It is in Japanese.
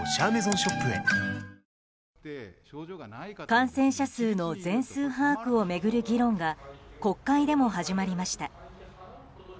感染者数の全数把握を巡る議論が国会でも始まりました。